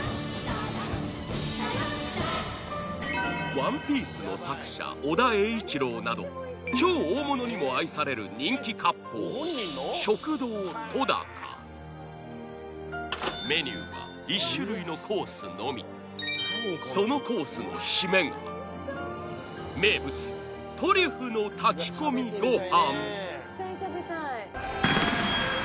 『ＯＮＥＰＩＥＣＥ』の作者尾田栄一郎など超大物にも愛される人気割烹メニューは１種類のコースのみそのコースの締めが名物トリュフの炊き込みご飯